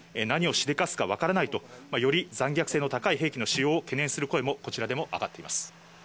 何をしでかすか分からないと、より残虐性の高い兵器の使用を懸念する声も、こちらでも上がっています。